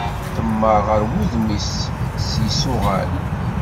Temmar ɣer wudem-is s yisuɣan.